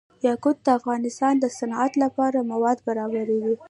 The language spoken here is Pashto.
یاقوت د افغانستان د صنعت لپاره مواد برابروي.